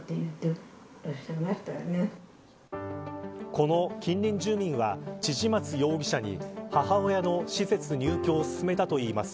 この近隣住民は千々松容疑者に母親の施設入居を勧めたといいます。